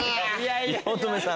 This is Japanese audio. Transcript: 八乙女さん。